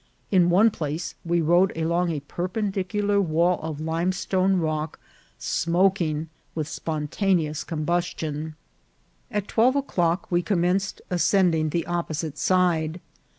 In one place we rode along a perpendicular wall of limestone rock smoking with spontaneous combustion. At twelve o'clock we commenced ascending the opposite side.